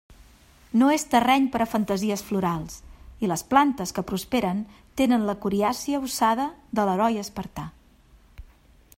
No és terreny per a fantasies florals, i les plantes que prosperen tenen la coriàcia ossada de l'heroi espartà.